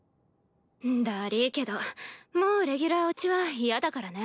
だりぃけどもうレギュラー落ちは嫌だからね。